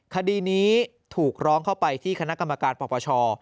คดีนี้ถูกร้องเข้าไปที่คณะกรรมการปปช